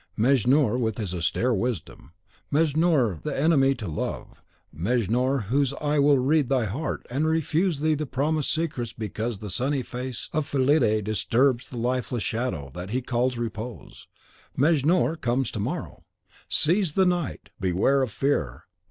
Mejnour with his austere wisdom, Mejnour the enemy to love; Mejnour, whose eye will read thy heart, and refuse thee the promised secrets because the sunny face of Fillide disturbs the lifeless shadow that he calls repose, Mejnour comes to morrow! Seize the night! Beware of fear!